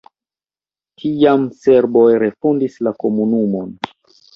Tiam serboj refondis la komunumon.